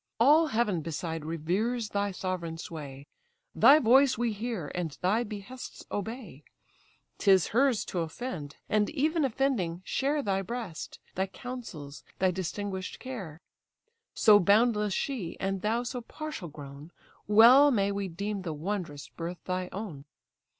All heaven beside reveres thy sovereign sway, Thy voice we hear, and thy behests obey: 'Tis hers to offend, and even offending share Thy breast, thy counsels, thy distinguish'd care: So boundless she, and thou so partial grown, Well may we deem the wondrous birth thy own.